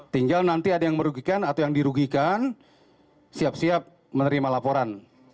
tinggal nanti ada yang merugikan atau yang dirugikan siap siap menerima laporan